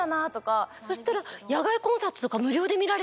そしたら。